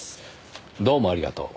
どうもありがとう。